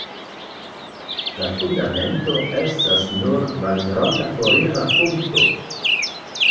La fundamento estas nur malgranda forira punkto.